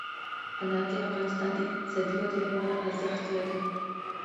انار د افغانستان د اقتصادي ودې لپاره ارزښت لري.